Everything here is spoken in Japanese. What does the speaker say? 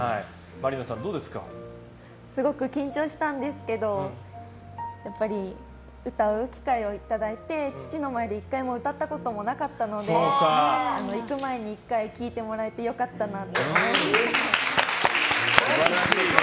すごく緊張したんですけどやっぱり歌う機会をいただいて父の前で１回も歌ったこともなかったので行く前に１回聴いてもらえて良かったなと思います。